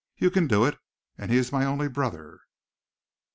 You can do it, and he is my only brother."